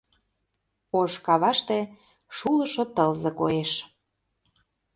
Ош каваште шулышо тылзе коеш.